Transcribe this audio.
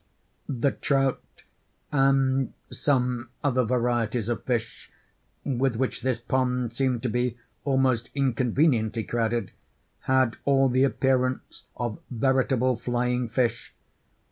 The trout, and some other varieties of fish, with which this pond seemed to be almost inconveniently crowded, had all the appearance of veritable flying fish.